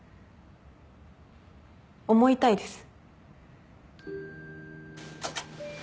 思いたいです。